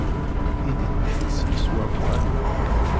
I d-iddan s leswam ɣali.